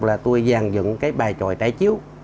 là tôi dàn dựng cái bài tròi trái chiếu